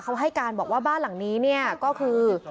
เขาให้การบอกว่าบ้านหลังนี้เนี่ยก็คือ